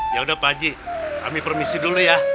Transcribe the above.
yaudah pak ji kami permisi dulu ya